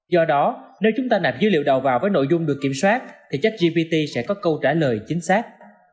do đó nếu chúng ta nạp dữ liệu đầu vào với nội dung được kiểm soát thì chắc gpt sẽ có câu trả lời chính xác